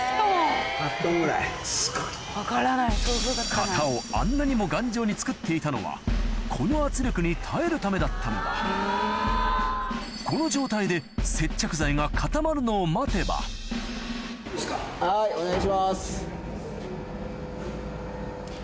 型をあんなにも頑丈に作っていたのはこの圧力に耐えるためだったのだこの状態ではいお願いします。